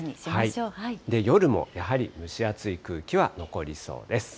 夜もね、やはり蒸し暑い空気が残りそうです。